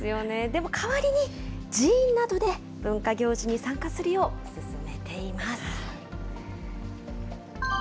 でも、代わりに寺院などで文化行事に参加するよう勧めています。